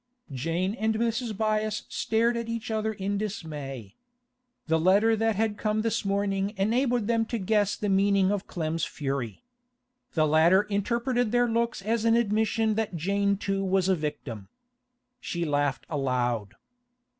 Jane and Mrs. Byass stared at each other in dismay. The letter that had come this morning enabled them to guess the meaning of Clem's fury. The latter interpreted their looks as an admission that Jane too was a victim. She laughed aloud.